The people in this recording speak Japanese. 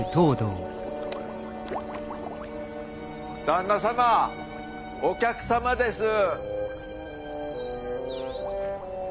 旦那様お客様です。